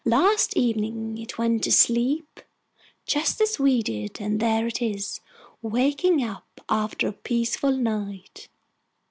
Last evening it went to sleep just as we did, and there it is, waking up after a peaceful night!"